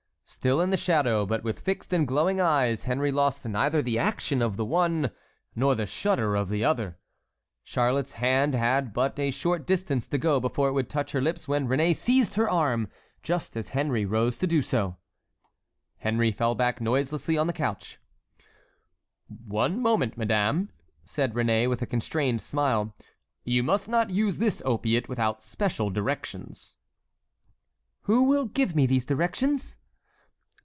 Still in the shadow, but with fixed and glowing eyes, Henry lost neither the action of the one nor the shudder of the other. Charlotte's hand had but a short distance to go before it would touch her lips when Réné seized her arm, just as Henry rose to do so. Henry fell back noiselessly on the couch. "One moment, madame," said Réné, with a constrained smile, "you must not use this opiate without special directions." "Who will give me these directions?"